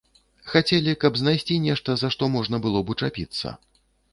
Хацелі, каб знайсці нешта, за што можна было б учапіцца.